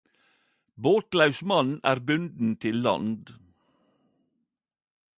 Båtlaus mann er bunden til land